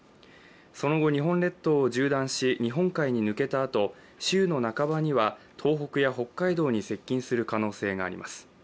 その後、日本列島を縦断し日本海に抜けたあと週の半ばには東北や北海道に接近する可能性があります。